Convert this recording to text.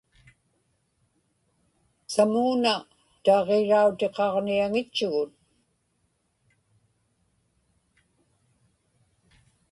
samuuna taġġirautiqaġniaŋitchugut